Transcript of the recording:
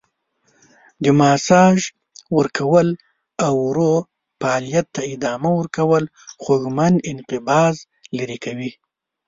د ماساژ ورکول او ورو فعالیت ته ادامه ورکول خوږمن انقباض لرې کوي.